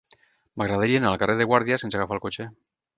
M'agradaria anar al carrer de Guàrdia sense agafar el cotxe.